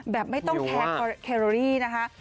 แบบไม่ต้องแคร์โลลี่นะฮะ